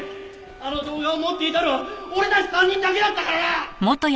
あの動画を持っていたのは俺たち３人だけだったからな！